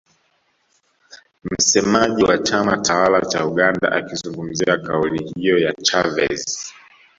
Msemaji wa chama tawala cha Uganda akizungumzia kauli hiyo ya Chavez